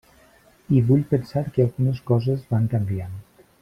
I vull pensar que algunes coses van canviant.